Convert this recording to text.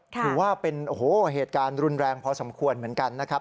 ถือว่าเป็นโอ้โหเหตุการณ์รุนแรงพอสมควรเหมือนกันนะครับ